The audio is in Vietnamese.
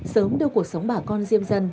sớm đưa cuộc sống bà con riêng dân